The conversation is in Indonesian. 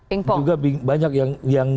ingpo juga banyak yang